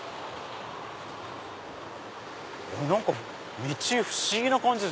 何か道不思議な感じです。